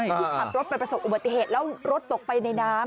ที่ขับรถไปประสบอุบัติเหตุแล้วรถตกไปในน้ำ